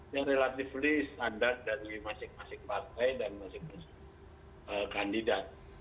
yang relatively standar dari masing masing partai dan masing masing kandidat